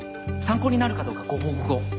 参考になるかどうかご報告を。